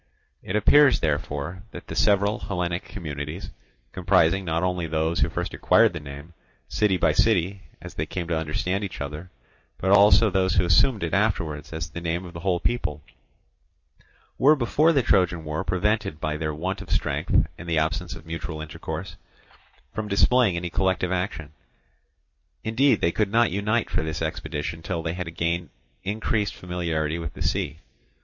It appears therefore that the several Hellenic communities, comprising not only those who first acquired the name, city by city, as they came to understand each other, but also those who assumed it afterwards as the name of the whole people, were before the Trojan war prevented by their want of strength and the absence of mutual intercourse from displaying any collective action. Indeed, they could not unite for this expedition till they had gained increased familiarity with the sea.